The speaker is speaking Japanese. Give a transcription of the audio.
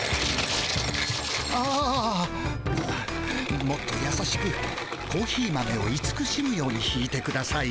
ああもっとやさしくコーヒー豆をいつくしむようにひいてください。